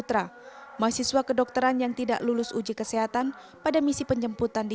terkait dua warga indonesia yang positif dan yang tidak lulus uji kesehatan pada misi penjemputan di